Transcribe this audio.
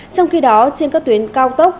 trong khi đó trên các tuyến cao tốc